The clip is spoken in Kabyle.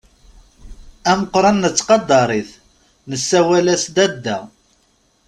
Ameqqran nettqadar-it, nessawal-as Dadda.